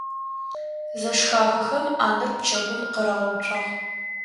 Зэшхахэхэм ӏанэр пчэгум къырагъэуцуагъ.